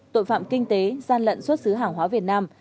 tội phạm kinh tế gian lận xuất xứ hàng hóa việt nam